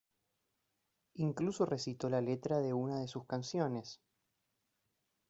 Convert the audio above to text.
Incluso recitó la letra de una de sus canciones.